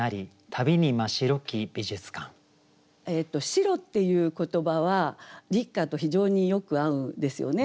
「白」っていう言葉は立夏と非常によく合うんですよね。